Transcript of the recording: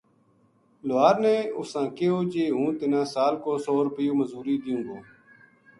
لوہار نے اُساں کہیو جی ہوں تنا سال کو سو روپیو مزوری دیوں گو